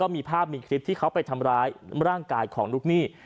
มีภาพมีคลิปที่เขาไปทำร้ายร่างกายของลูกหนี้